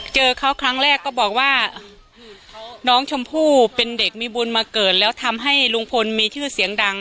เจอเขาครั้งแรกก็บอกว่าน้องชมพู่เป็นเด็กมีบุญมาเกิดแล้วทำให้ลุงพลมีชื่อเสียงดัง